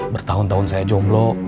bertahun tahun saya jomblo